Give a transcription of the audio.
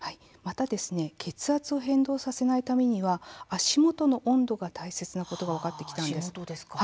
また、もう１つ血圧の変動させないためには足元の温度が大切なことが分かってきました。